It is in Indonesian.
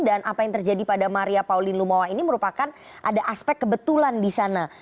dan apa yang terjadi pada maria pauline lumawa ini merupakan ada aspek kebetulan di sana